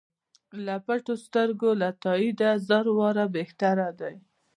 له پټو سترګو له تاییده زر واره بهتر دی.